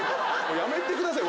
やめてくださいよ。